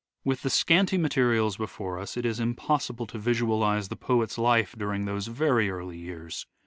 With the scanty materials before us it is impossible to visualise the poet's life during those very early years.